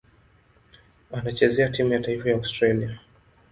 Anachezea timu ya taifa ya Australia.